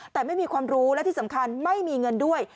แต่ไม่มีความรู้และที่สำคัญไม่มีเงินด้วย